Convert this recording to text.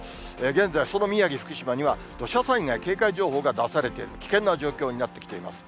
現在、その宮城、福島には土砂災害警戒情報が出されて、危険な状況になってきています。